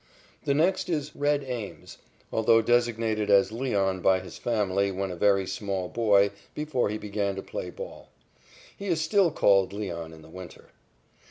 The next is "Red" Ames, although designated as "Leon" by his family when a very small boy before he began to play ball. (He is still called "Leon" in the winter.)